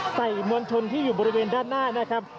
มวลชนที่อยู่บริเวณด้านหน้านะครับ